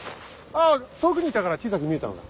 ああ遠くにいたから小さく見えたのだ。